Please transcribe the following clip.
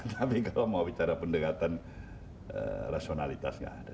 tapi kalau mau bicara pendekatan rasionalitas nggak ada